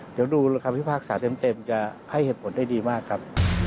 เดี๋ยวดูคำพิพากษาเต็มจะให้เหตุผลได้ดีมากครับ